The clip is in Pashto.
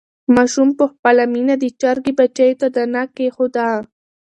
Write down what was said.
ماشوم په خپله مینه د چرګې بچیو ته دانه کېښوده.